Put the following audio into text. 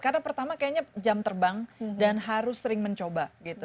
karena pertama kayaknya jam terbang dan harus sering mencoba gitu